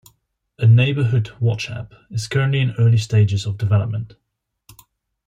A neighbourhood watch app is currently in early stages of development.